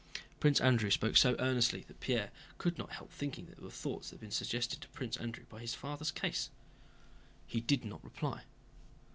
Prince Andrew spoke so earnestly that Pierre could not help thinking that these thoughts had been suggested to Prince Andrew by his father's case. He did not reply.